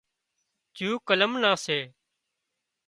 جُوڪلم نان سي